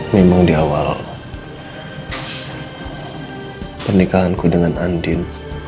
memang di awal pernikahanku dengan andin